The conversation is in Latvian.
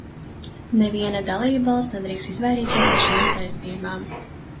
Neviena dalībvalsts nedrīkst izvairīties no šīm saistībām.